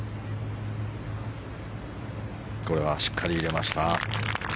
これはしっかり入れました。